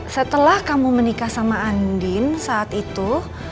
setelah kamu menikah sama andin saat itu